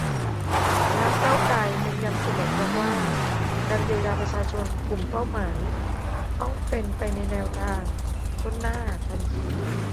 พรรค ก้าวไกล เน้นย้ำเสมอครับว่า การเยียวยาประชาชนกลุ่มเป้าหมาย ต้องเป็นไปในแนวทาง ถ้วนหน้า ทันที